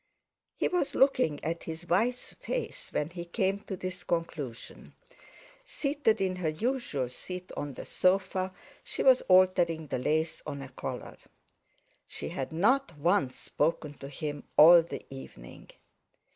He was looking at his wife's face when he came to this conclusion. Seated in her usual seat on the sofa, she was altering the lace on a collar. She had not once spoken to him all the evening.